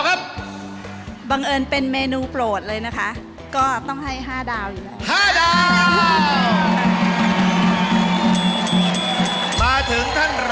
คะแนนเต็ม๕ฉันก็ให้ไม่ถึง